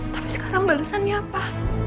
tapi sekarang balesannya apa